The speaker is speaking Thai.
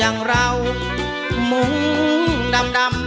ห้องเรามุ่งดำดำ